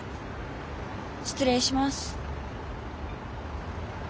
失礼します。